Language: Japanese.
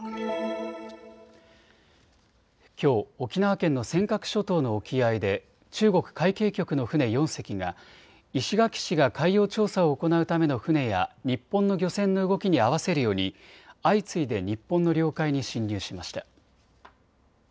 きょう、沖縄県の尖閣諸島の沖合で中国海警局の船４隻が石垣市が海洋調査を行うための船や日本の漁船の動きに合わせるように相次いで日本の領海に侵入しました。